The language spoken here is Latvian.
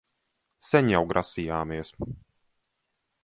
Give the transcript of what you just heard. Sen jau grasījāmies...